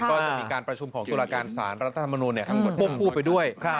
ก็มีการประชุมของตุลาการศาลรัฐธรรมนุนทั้งกดพูดไปด้วย